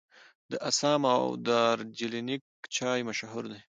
د اسام او دارجلینګ چای مشهور دی.